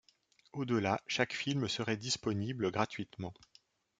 Au-delà, chaque film serait disponible gratuitement.